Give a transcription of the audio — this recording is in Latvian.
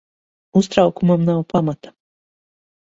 Uztraukumam nav pamata.